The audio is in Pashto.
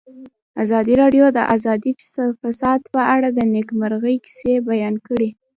ازادي راډیو د اداري فساد په اړه د نېکمرغۍ کیسې بیان کړې.